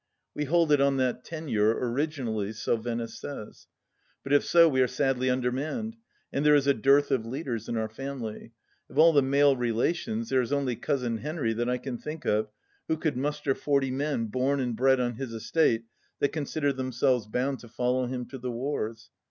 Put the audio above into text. We hold it on that tenure originally, so Venice says. But if so, we are sadly undermanned. And there is a dearth of leaders in our family. Of all the male relations, there is only Cousin Henry that I can think of who could muster forty men bom and bred on his estate that consider themselves bound to follow him to the wars.